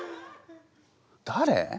誰？